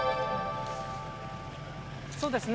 そうですね